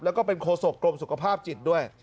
แล้วก็เป็นโคศกกรมสุขภาพจิตด้วย